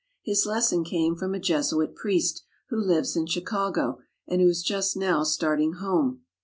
His lesson came from a Jesuit priest, who lives in Chicago, and who is just now starting home.